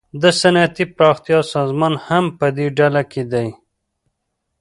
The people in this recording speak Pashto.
د صنعتي پراختیا سازمان هم پدې ډله کې دی